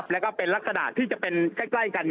แล้วก็เป็นลักษณะที่จะเป็นใกล้กัน